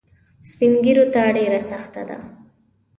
سپین ږیرو ته ډېره سخته ده.